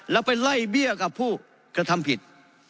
แล้วไปไล่เบี้ยกับผู้กระทำผิด